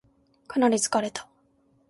かなり疲れた